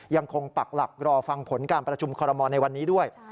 ปักหลักรอฟังผลการประชุมคอรมอลในวันนี้ด้วย